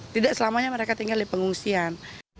tidak selamanya mereka tinggal di pengungsian